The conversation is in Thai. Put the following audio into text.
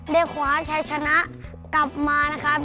เด็กขวาชายชนะกลับมานะครับ